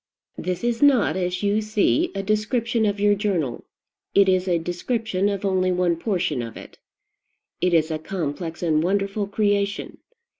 This is not, as you see, a description of your journal: it is a description of only one portion of it. It is a complex and wonderful creation.